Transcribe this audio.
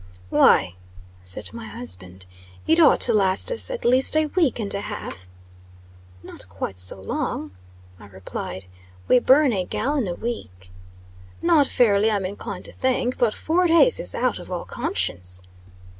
"Why," said my husband, "it ought to last us at least a week and a half." "Not quite so long," I replied. "We burn a gallon a week." "Not fairly, I'm inclined to think. But four days is out of all conscience."